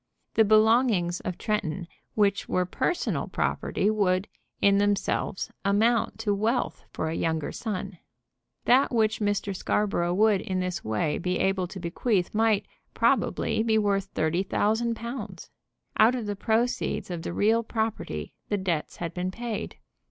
The belongings of Tretton, which were personal property, would, in themselves, amount to wealth for a younger son. That which Mr. Scarborough would in this way be able to bequeath might, probably, be worth thirty thousand pounds. Out of the proceeds of the real property the debts had been paid.